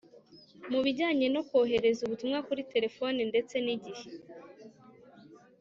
Mu bijyanye no kohereza ubutumwa kuri telefoni ndetse n igihe